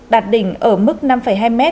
đạt đỉnh ở mức năm hai m